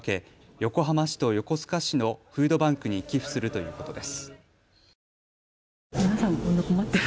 横浜市と横須賀市のフードバンクに寄付するということです。